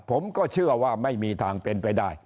ผมก็เชื่อว่าไม่มีทางเป็นไปได้